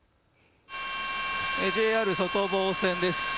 ＪＲ外房線です。